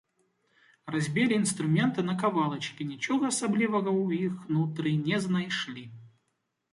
Разбілі інструменты на кавалачкі і нічога асаблівага ў іх унутры не знайшлі.